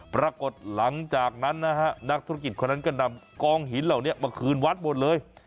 ปรากฏหลังจากนั้นนะฮะนักธุรกิจคนนั้นก็นำกองหินเหล่านี้มาคืนวัดหมดเลย